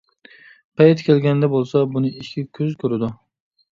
پەيتى كەلگەندە بولسا بۇنى ئىككى كۆز كۆرىدۇ.